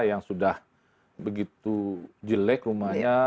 yang sudah begitu jelek rumahnya